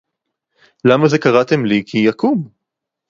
לָמָּה זֶה קְרָאתֶם לִי כִּי אָקוּם